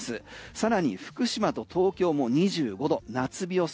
さらに福島と東京も２５度夏日予想